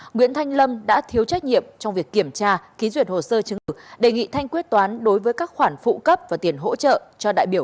nguyễn thanh lâm đã thiếu trách nhiệm trong việc kiểm tra ký duyệt hồ sơ chứng tử đề nghị thanh quyết toán đối với các khoản phụ cấp và tiền hỗ trợ cho đại biểu